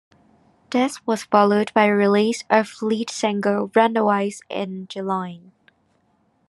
This was followed by the release of lead single "Runaways" in July.